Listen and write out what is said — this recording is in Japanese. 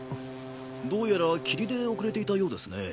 どうやら霧で遅れていたようですね。